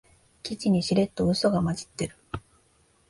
記事にしれっとウソが混じってる